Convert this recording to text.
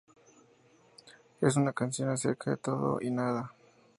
Es una canción acerca de todo y nada.